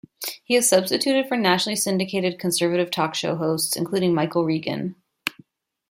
He has substituted for nationally syndicated conservative talk show hosts, including Michael Reagan.